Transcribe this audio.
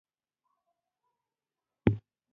ګرافیک، تیاتر او موسیقي ته پراختیا ورکړل شوه.